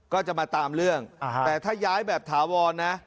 ก็จะมาตามเรื่องแต่ถ้าย้ายแบบถาวรนะ